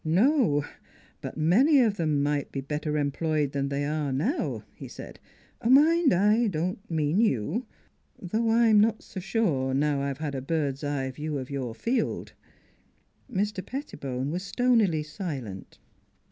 "No; but many of them might be better em ployed than they are now," he said. " Mind, I don't mean you. ... Though I'm not so sure, now that I've had a bird's eye view of your field." Mr. Pettibone was stonily silent.